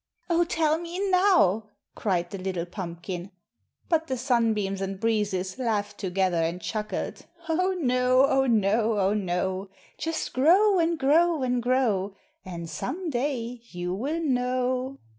"Oh, tell me now!" cried the little pumpkin, but the sunbeams and breezes laughed together, and chuckled, "Oh no, oh no, oh no! Just grow and grow and grow, And some day you will know."